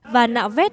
và nạo vết